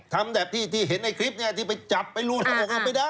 ทำแบบที่เห็นในคลิปเนี่ยที่ไปจับไปลุนออกออกไปได้